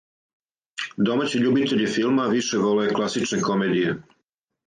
Домаћи љубитељи филма више воле класичне комедије.